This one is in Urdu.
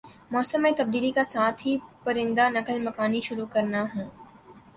موسم میں تبدیلی کا ساتھ ہی پرندہ نقل مکانی کرنا شروع کرنا ہون